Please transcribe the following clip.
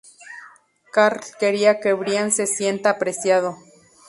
Carl quería que Brian se sienta apreciado.